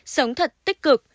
sống thật tích cực